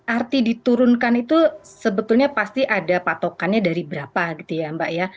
arti diturunkan itu sebetulnya pasti ada patokannya dari berapa gitu ya mbak ya